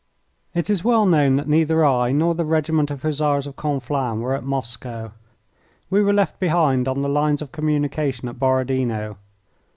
It is well known that neither I nor the regiment of Hussars of Conflans were at Moscow. We were left behind on the lines of communication at Borodino.